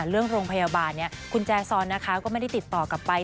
โรงพยาบาลคุณแจซอนนะคะก็ไม่ได้ติดต่อกลับไป